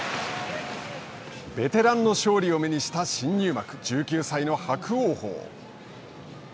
ベテランの勝利を目にした新入幕１９歳の伯桜鵬。